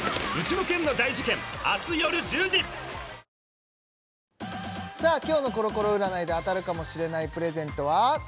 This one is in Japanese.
「ビオレ」さあ今日のコロコロ占いで当たるかもしれないプレゼントは？